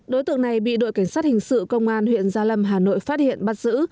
đối tượng này bị đội cảnh sát hình sự công an huyện gia lâm hà nội phát hiện bắt giữ